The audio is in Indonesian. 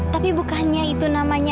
tapi bukannya itu namanya